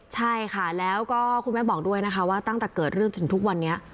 ใช่ค่ะแล้วก็คุณแม่บอกด้วยนะคะว่าตั้งแต่เกิดเรื่องจนถึงทุกวันนี้